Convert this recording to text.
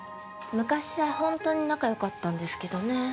昔はホントに仲よかったんですけどね